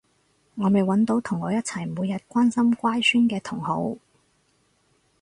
我未搵到同我一齊每日關心乖孫嘅同好